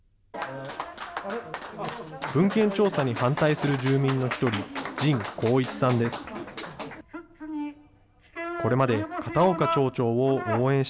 文献調査に反対する住民の一人、神貢一さんです。